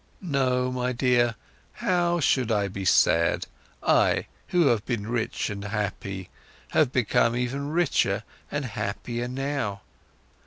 "No, my dear, how should I be sad? I, who have been rich and happy, have become even richer and happier now.